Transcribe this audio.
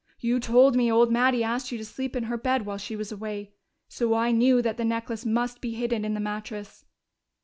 You told me old Mattie asked you to sleep in her bed while she was away. So I knew that the necklace must be hidden in the mattress....